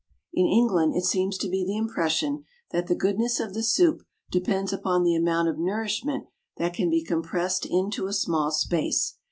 In England it seems to be the impression that the goodness of the soup depends upon the amount of nourishment that can be compressed into a small space.